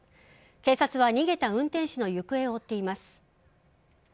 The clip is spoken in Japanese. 警察は逃げた運転手の行方を追っています。